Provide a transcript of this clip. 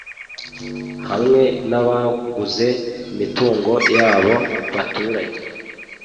hamwe n’abaguze imitungo y’abo baturage